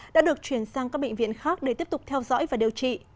đã được chuyển sang các bệnh viện khác để tiếp tục theo dõi và điều trị